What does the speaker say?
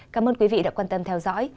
cảm ơn quý vị đã quan tâm theo dõi